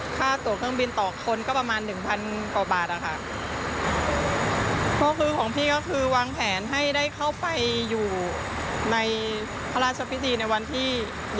ของพี่ก็คือวางแผนให้เข้าไปอยู่ในพระราชพิธีในวันที่๒๖